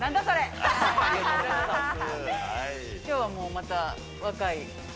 きょうはもうまた若い。